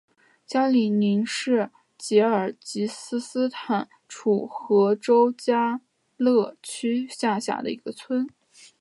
加里宁是吉尔吉斯斯坦楚河州加依勒区下辖的一个村。